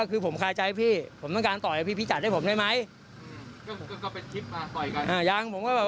คือบอกว่าผมคายใจพี่